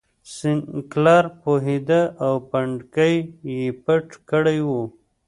سینکلر پوهېده او پنډکی یې پټ کړی و.